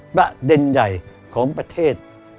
ประเด็นใหญ่ของประเทศ